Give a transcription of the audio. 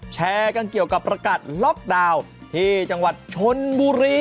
แชร์กันเกี่ยวกับประกาศล็อกดาวน์ที่จังหวัดชนบุรี